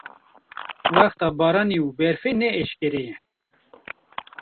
wexta baranê û berfê ne eşkereye.